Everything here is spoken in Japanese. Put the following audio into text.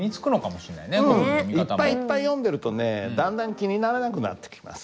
割といっぱいいっぱい読んでるとねだんだん気にならなくなってきます